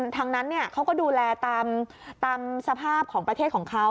ทางนั้นเขาก็ดูแลตามสภาพของประเทศของเขา